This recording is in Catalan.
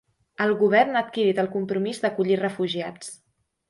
El govern ha adquirit el compromís d'acollir refugiats